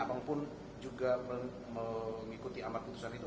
abang pun juga mengikuti amat keputusan itu